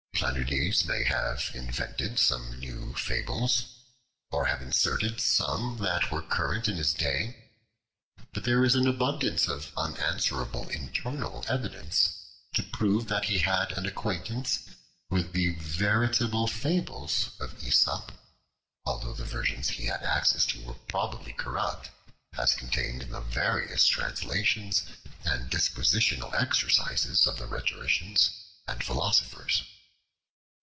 Planudes may have invented some few fables, or have inserted some that were current in his day; but there is an abundance of unanswerable internal evidence to prove that he had an acquaintance with the veritable fables of Aesop, although the versions he had access to were probably corrupt, as contained in the various translations and disquisitional exercises of the rhetoricians and philosophers.